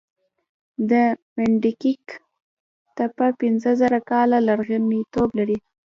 د منډیګک تپه پنځه زره کاله لرغونتوب لري